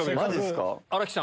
新木さん